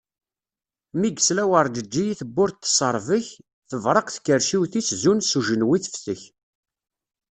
Mi yesla werǧeǧǧi i tewwurt teṣṣerbek, tebreq tkerciwt-is zun s ujenwi teftek.